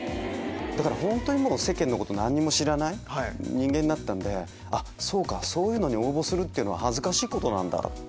本当に世間のこと何にも知らない人間だったんでそうかそういうのに応募するのは恥ずかしいことなんだって。